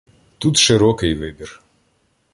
Тут широкий вибір